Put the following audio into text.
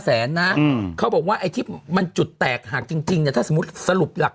แสนนะเขาบอกว่าไอ้ที่มันจุดแตกหักจริงเนี่ยถ้าสมมุติสรุปหลัก